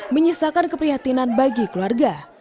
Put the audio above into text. menyisakan keprihatinan bagi keluarga